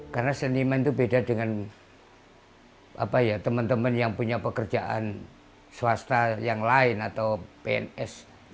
karena seniman itu beda dengan teman teman yang punya pekerjaan swasta yang lain atau pns